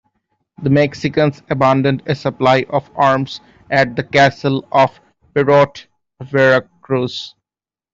The Mexicans abandoned a supply of arms at the castle of Perote, Veracruz.